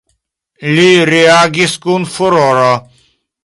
Li reagis kun furoro.